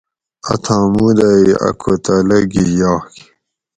اتھاں مودائی ا کوتالہ گھی یاگ